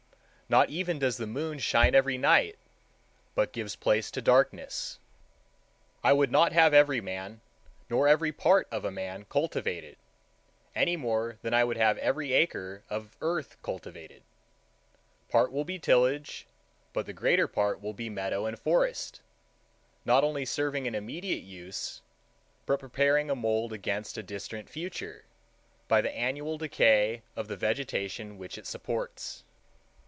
Not even does the moon shine every night, but gives place to darkness. I would not have every man nor every part of a man cultivated, any more than I would have every acre of earth cultivated: part will be tillage, but the greater part will be meadow and forest, not only serving an immediate use, but preparing a mould against a distant future, by the annual decay of the vegetation which it supports.